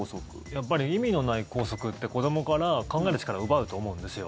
やっぱり意味のない校則って子どもから考える力を奪うと思うんですよ。